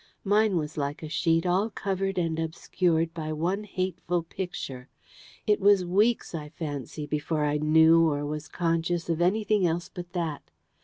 Mine was like a sheet all covered and obscured by one hateful picture. It was weeks, I fancy, before I knew or was conscious of anything else but that.